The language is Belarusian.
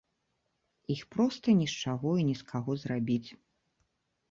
Іх проста не з чаго і не з каго зрабіць.